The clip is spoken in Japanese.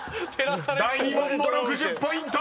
［第２問も６０ポイント！］